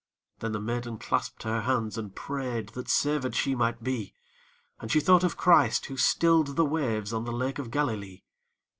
Then the maiden clasped her hands and prayed That savèd she might be; And she thought of Christ, who stilled the waves On the Lake of Galilee.